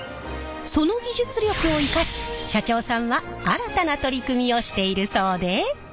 その技術力を生かし社長さんは新たな取り組みをしているそうで。